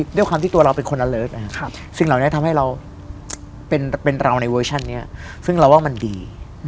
เช่นด้วยความที่ตัวเราก็เป็นคนอาเลิศซึ่งเหล่านั้นทำให้เราเป็นเราในเวสชั่นนี้ซึ่งมันดี